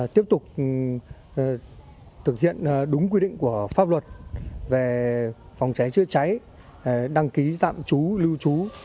tiếp tục thực hiện đúng quy định của pháp luật về phòng cháy chữa cháy đăng ký tạm trú lưu trú